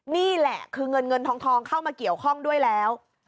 นี่แหละคือเงินเงินทองเข้ามาเกี่ยวข้องด้วยแล้ว